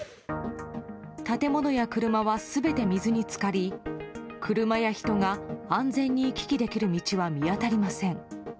建物や車は全て水に浸かり車や人が安全に行き来できる道は見当たりません。